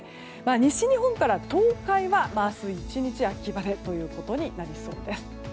西日本から東海は、明日１日秋晴れとなりそうです。